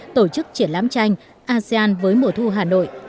tổ chức triển lãm tranh asean với mùa thu hà nội